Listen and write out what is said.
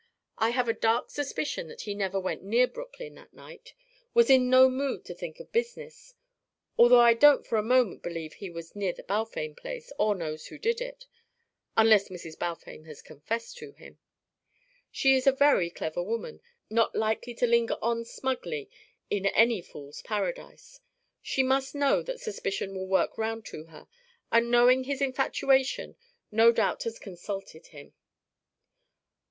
I have a dark suspicion that he never went near Brooklyn that night, was in no mood to think of business; although I don't for a moment believe he was near the Balfame place, or knows who did it unless Mrs. Balfame has confessed to him. She is a very clever woman, not likely to linger on smugly in any fool's paradise. She must know that suspicion will work round to her, and knowing his infatuation, no doubt has consulted him."